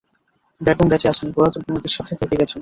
বেগম বেঁচে আছেন, পুরাতন প্রেমিকের সাথে ভেগে গেছেন।